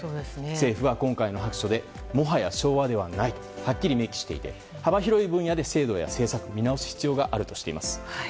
政府は今回の白書でもはや昭和ではないとはっきり明記していて幅広い分野で制度や政策を見直す必要があるとしています。